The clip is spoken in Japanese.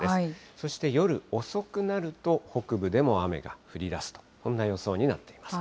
そして夜遅くなると、北部でも雨が降りだすと、こんな予想になっています。